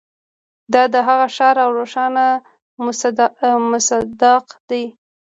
دا د هغه ښکاره او روښانه مصداق دی.